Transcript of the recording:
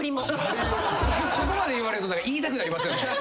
ここまで言われると言いたくなりますよね。